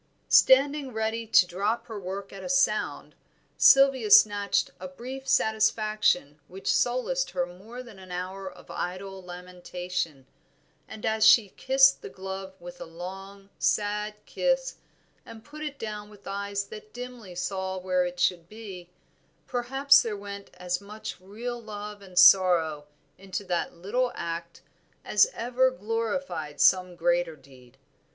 Standing ready to drop her work at a sound, Sylvia snatched a brief satisfaction which solaced her more than an hour of idle lamentation, and as she kissed the glove with a long, sad kiss, and put it down with eyes that dimly saw where it should be, perhaps there went as much real love and sorrow into that little act as ever glorified some greater deed.